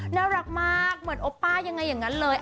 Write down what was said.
น่ารักมากเหมือนโอป้ายังไงอย่างนั้นเลย